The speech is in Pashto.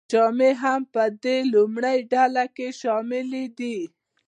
جامې هم په دې لومړۍ ډله کې شاملې دي.